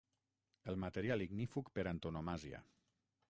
El material ignífug per antonomàsia.